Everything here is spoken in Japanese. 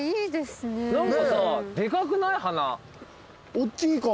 おっきいか。